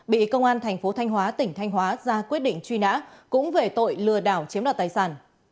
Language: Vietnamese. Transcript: bị công an thành phố thanh hóa tỉnh thanh hóa ra quyết định truy nã cũng về tội lừa đảo chiếm đoạt tài sản